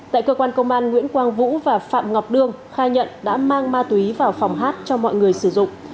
tại cơ quan công an nguyễn quang vũ và phạm ngọc đương khai nhận đã mang ma túy vào phòng hát cho mọi người sử dụng